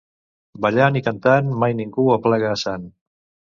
Ballant i cantant mai ningú aplega a sant.